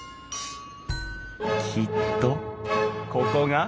きっとここが！